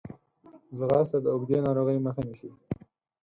ځغاسته د اوږدې ناروغۍ مخه نیسي